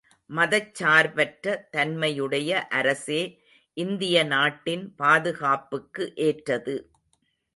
மதச் சார்பற்ற தன்மையுடைய அரசே இந்திய நாட்டின் பாதுகாப்புக்கு ஏற்றது.